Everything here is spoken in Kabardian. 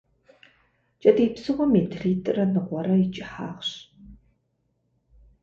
Кӏэтӏий псыгъуэм метритӏрэ ныкъуэрэ и кӏыхьагъщ.